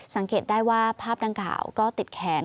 สังเกตได้ว่าภาพดังกล่าวก็ติดแขน